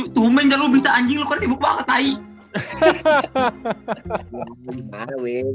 tumen kalau bisa anjing lo kan ibu banget